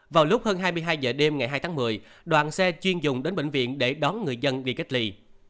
vào lúc hơn hai mươi hai h đêm ngày hai tháng một mươi đoàn xe chuyên dùng đến bệnh viện để đón người dân đi cách ly